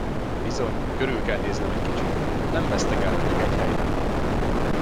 Bizony, körül kell néznem egy kicsit, nem vesztegelhetek egy helyben!